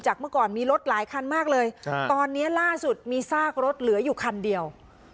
เมื่อก่อนมีรถหลายคันมากเลยตอนนี้ล่าสุดมีซากรถเหลืออยู่คันเดียว